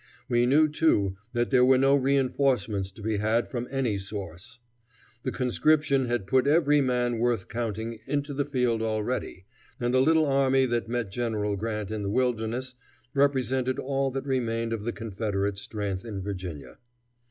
We knew, too, that there were no reinforcements to be had from any source. The conscription had put every man worth counting into the field already, and the little army that met General Grant in the Wilderness represented all that remained of the Confederate strength in Virginia.